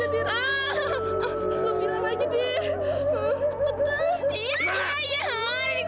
lebih lama lagi dirk